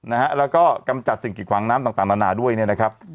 นะฮะแล้วก็กำจัดสิ่งกิดขวางน้ำต่างต่างนานาด้วยเนี่ยนะครับ